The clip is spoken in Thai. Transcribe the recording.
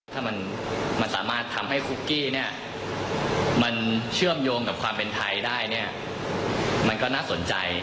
ถ้ามันสามารถทำให้คุกกี้เนี่ยมันเชื่อมโยงกับความเป็นไทยได้เนี่ยมันก็น่าสนใจ